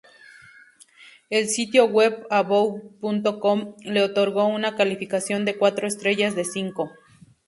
El sitio web About.com le otorgó una calificación de cuatro estrellas de cinco.